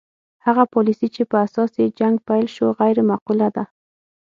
هغه پالیسي چې په اساس یې جنګ پیل شو غیر معقوله ده.